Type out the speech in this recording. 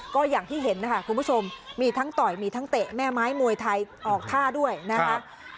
ก็อย่างที่เห็นนะคะคุณผู้ชมมีทั้งต่อยมีทั้งเตะแม่ไม้มวยไทยออกท่าด้วยนะคะ